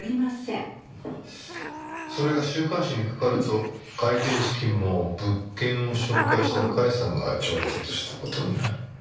それが週刊誌にかかると開店資金も物件を紹介した甲斐さんが調達した事になる。